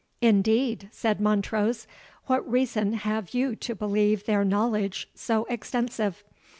"Indeed!" said Montrose; "what reason have you to believe their knowledge so extensive?"